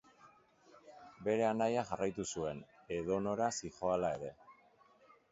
Bere anaia jarraitu zuen, edonora zihoala ere.